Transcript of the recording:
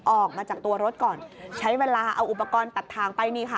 ออกมาจากตัวรถก่อนใช้เวลาเอาอุปกรณ์ตัดทางไปนี่ค่ะ